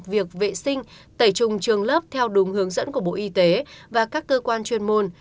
việc vệ sinh tẩy trùng trường lớp theo đúng hướng dẫn của bộ y tế và các cơ quan chuyên môn